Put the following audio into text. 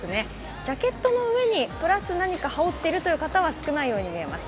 ジャケットの上にプラス何かを羽織っている方は少ないようです。